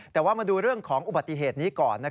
แต่ว่ามาดูเรื่องของอุบัติเหตุนี้ก่อน